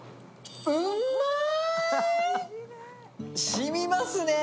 しみますね！